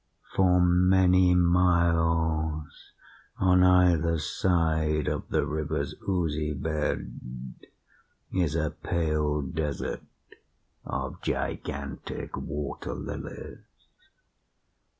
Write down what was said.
For many miles on either side of the river's oozy bed is a pale desert of gigantic water lilies.